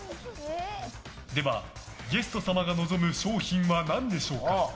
ではゲスト様が望む賞品は何でしょうか。